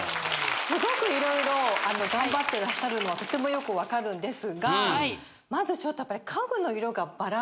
すごく色々頑張ってらっしゃるのはとてもよくわかるんですがまずちょっとやっぱり。